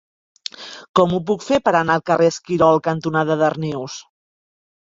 Com ho puc fer per anar al carrer Esquirol cantonada Darnius?